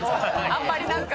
あんまりなんか。